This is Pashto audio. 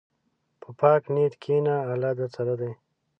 په پاک نیت کښېنه، الله درسره دی.